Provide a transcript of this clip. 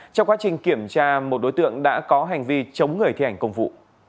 trong quá trình kiểm tra một đối tượng đã có hành vi chống người thi hành công vụ